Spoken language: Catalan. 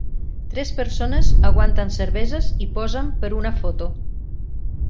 Tres persones aguanten cerveses i posen per una foto.